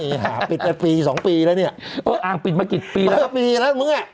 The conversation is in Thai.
หาปิดไปปีสองปีแล้วเนี่ยเอออ่างปิดมากี่ปีแล้วปีแล้วมึงอ่ะ